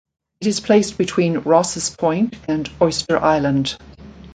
It is placed between Rosses Point and Oyster Island.